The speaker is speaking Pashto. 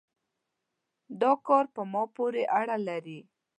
دا کار په ما پورې اړه لري